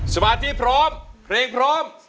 สมาธิพร้อมเพลงพร้อม